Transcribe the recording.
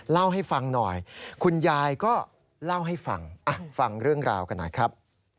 เล่าให้ฟังหน่อยคุณยายก็เล่าให้ฟังฟังเรื่องราวกันหน่อยครับ